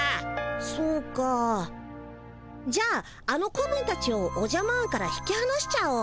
そうかじゃああの子分たちをおじゃマーンから引きはなしちゃおう。